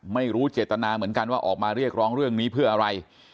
ไม่รู้เจตนาเหมือนกันว่าออกมาเรียกร้องเรื่องนี้เพื่ออะไร